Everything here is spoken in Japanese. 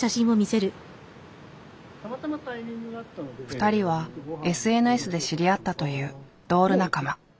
２人はＳＮＳで知り合ったというドール仲間。